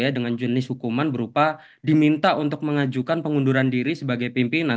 dengan jenis hukuman berupa diminta untuk mengajukan pengunduran diri sebagai pimpinan